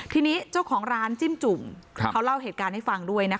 ทีนี้เจ้าของร้านจิ้มจุ่มเขาเล่าเหตุการณ์ให้ฟังด้วยนะคะ